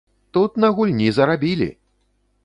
Тут на гульні зарабілі!